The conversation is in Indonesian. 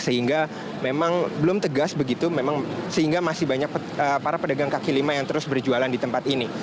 sehingga memang belum tegas begitu memang sehingga masih banyak para pedagang kaki lima yang terus berjualan di tempat ini